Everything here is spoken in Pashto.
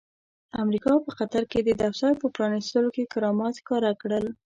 امريکا په قطر کې د دفتر په پرانستلو کې کرامات ښکاره کړل.